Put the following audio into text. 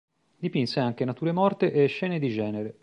Dipinse anche nature morte e scene di genere.